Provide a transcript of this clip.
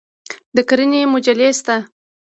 د کرنې مجلې شته؟